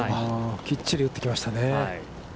きっちり打ってきましたね。